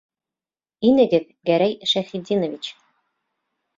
Инегеҙ, Гәрәй Шәйхетдинович!